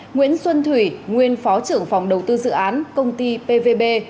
nguyễn xuân thủy nguyên phó trưởng phòng đầu tư dự án công ty pvb